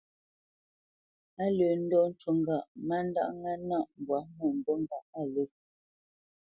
Á lə́ ndɔ́ ncú ŋgâʼ má ndáʼ ŋá nâʼ mbwǎ mə̂mbû ŋgâʼ á lə̂.